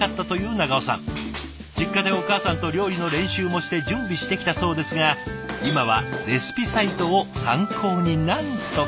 実家でお母さんと料理の練習もして準備してきたそうですが今はレシピサイトを参考になんとか。